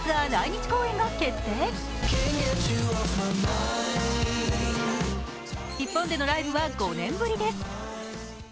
日本でのライブは５年ぶりです。